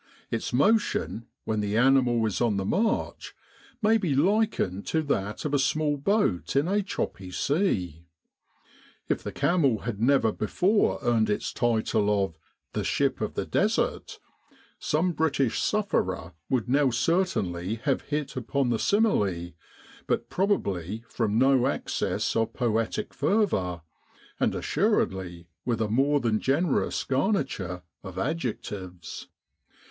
Its motion, when the animal is on the march, may be likened to that of a small boat in a choppy sea. If the camel had never before earned its title of "The Ship of the Desert," some British sufferer would now certainly have hit upon the simile, but probably from no access of poetic fervour, and assuredly with a more than generous garniture of adjectives.